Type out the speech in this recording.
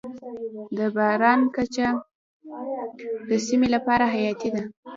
د باران کچه د سیمې لپاره حیاتي ده.